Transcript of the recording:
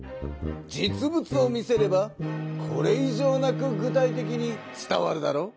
実物を見せればこれい上なく具体的に伝わるだろう。